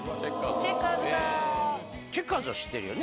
チェッカーズは知ってるよね。